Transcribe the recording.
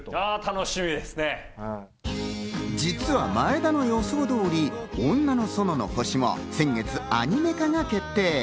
実は前田の予想通り、『女の園の星』も先月アニメ化が決定。